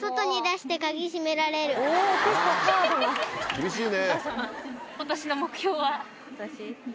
厳しいね。